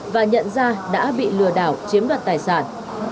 và nhận ra đã bị lừa đảo chiếm đoạt tài sản